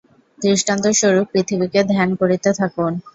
দৃষ্টান্তস্বরূপ পৃথিবীকে ধ্যান করিতে থাকুন।